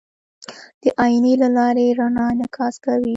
د آیینې له لارې رڼا انعکاس کوي.